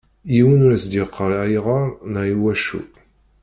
Yiwen ur as-d-yeqqar ayɣer neɣ iwacu.